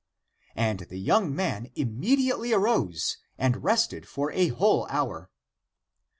" And the young man immediately arose and rested for a whole hour.